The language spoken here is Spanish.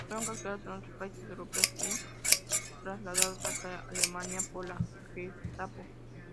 Fueron capturados en otros países europeos y trasladados hasta Alemania por la Gestapo.